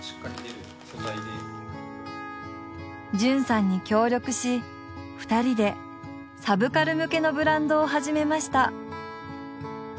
絢さんに協力し２人でサブカル向けのブランドを始めました。